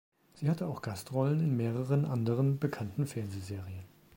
Sie hatte auch Gastrollen in mehreren anderen bekannten Fernsehserien.